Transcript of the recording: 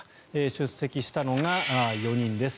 出席したのが４人です。